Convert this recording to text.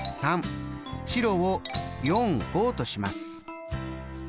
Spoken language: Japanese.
白を４５とします。